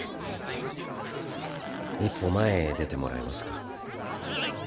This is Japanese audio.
へへ一歩前へ出てもらえますかぎっ？